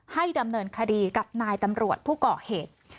ให้ดำเนินคดีกับนายตำรวจผู้ก่อเหตุ